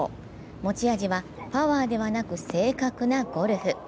持ち味はパワーではなく正確なゴルフ。